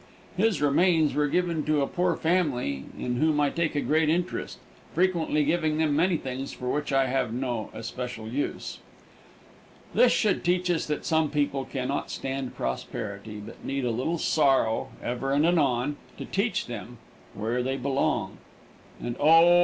His remains were given to a poor family in whom I take a great interest, frequently giving them many things for which I have no especial use. This should teach us that some people can not stand prosperity, but need a little sorrow, ever and anon, to teach them where they belong. And, oh!